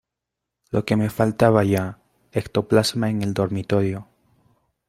lo que me faltaba ya, ectoplasmas en el dormitorio.